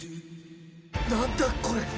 何だこれ。